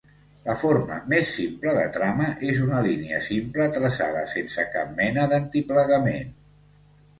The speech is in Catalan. La forma més simple de trama és una línia simple traçada sense cap mena d'antiplegament.